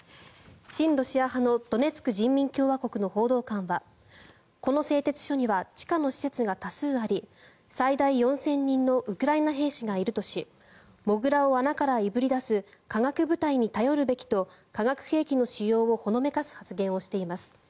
親ロシア派のドネツク人民共和国の報道官はこの製鉄所には地下の施設が多数あり最大４０００人のウクライナ兵士がいるとしモグラを穴からいぶり出す化学部隊に頼るべきと化学兵器の使用をほのめかす発言をしています。